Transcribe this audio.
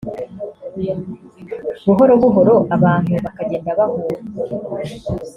buhoro buhoro abantu bakagenda bahura